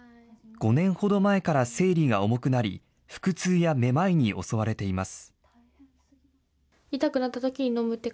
５年ほど前から生理が重くなり、腹痛やめまいに襲われています。